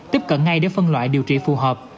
tiếp cận ngay để phân loại điều trị phù hợp